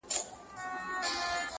پلار ویله څارنوال ته نه پوهېږي,